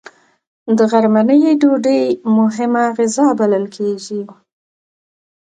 د غرمنۍ ډوډۍ مهمه غذا بلل کېږي